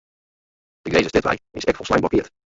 De Grinzerstrjitwei is ek folslein blokkeard.